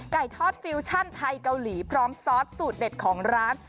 ทอดฟิวชั่นไทยเกาหลีพร้อมซอสสูตรเด็ดของร้าน